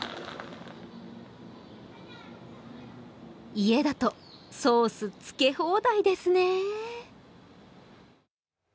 家だとソースつけ放題ですね。